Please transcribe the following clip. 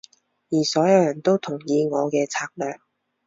而所有人都同意我嘅策略